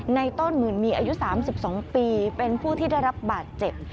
ในต้นหมื่นมีอายุ๓๒ปีเป็นผู้ที่ได้รับบาดเจ็บ